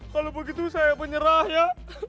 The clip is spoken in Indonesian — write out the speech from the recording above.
kalau begitu saya menyerah ya